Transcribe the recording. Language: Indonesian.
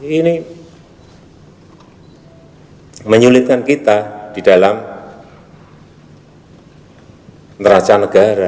ini menyulitkan kita di dalam neraca negara